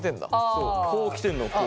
そうこう来てんのをこう。